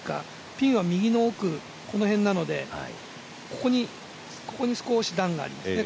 ピンは右の奥、この辺なので、ここに少し段がありますね。